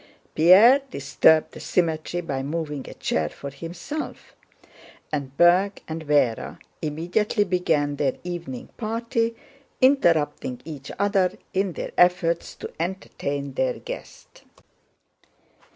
Pierre disturbed the symmetry by moving a chair for himself, and Berg and Véra immediately began their evening party, interrupting each other in their efforts to entertain their guest.